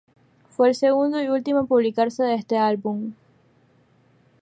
Fue el segundo y último en publicarse de este álbum.